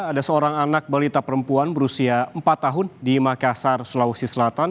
ada seorang anak balita perempuan berusia empat tahun di makassar sulawesi selatan